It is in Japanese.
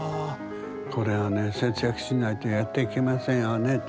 これはね節約しないとやっていけませんよねって。